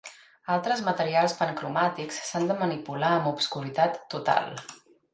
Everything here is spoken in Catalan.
Altres materials pancromàtics s'han de manipular amb obscuritat total.